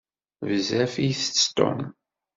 Bezzaf i itett Tom.